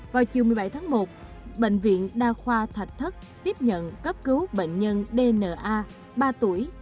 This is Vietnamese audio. vào chiều một mươi bảy tháng một bệnh viện đa khoa thạch thất tiếp nhận cấp cứu bệnh nhân dna ba tuổi